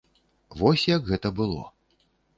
Вось як гэта было.